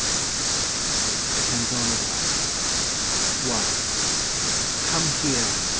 THE CANZON OF LIFE I Come here!